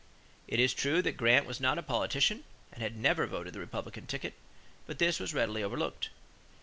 It is true that Grant was not a politician and had never voted the Republican ticket; but this was readily overlooked.